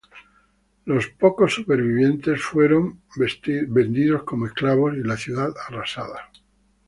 Los pocos supervivientes fueron vendidos como esclavos, y la ciudad arrasada.